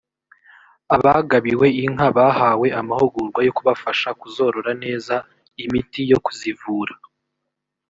abagabiwe inka bahawe amahugurwa yo kubafasha kuzorora neza imiti yo kuzivura